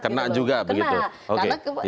kena juga begitu